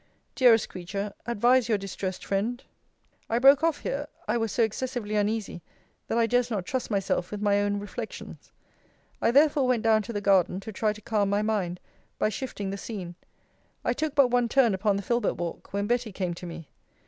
Dearest creature, advise your distressed friend. I broke off here I was so excessively uneasy, that I durst not trust myself with my own reflections. I therefore went down to the garden, to try to calm my mind, by shifting the scene. I took but one turn upon the filbert walk, when Betty came to me.